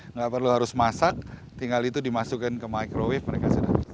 nggak perlu harus masak tinggal itu dimasukin ke microwave mereka sudah